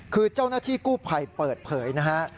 คือเจ้าหน้าที่กู้ภัยเปิดเผยนะฮะ